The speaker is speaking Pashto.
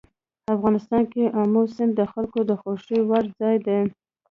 افغانستان کې آمو سیند د خلکو د خوښې وړ ځای دی.